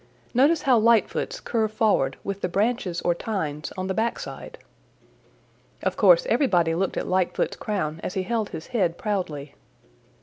Notice how Lightfoot's curve forward with the branches or tines on the back side." Of course everybody looked at Lightfoot's crown as he held his head proudly.